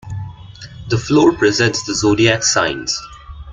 The floor presents the zodiac signs.